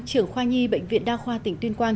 trưởng khoa nhi bệnh viện đa khoa tỉnh tuyên quang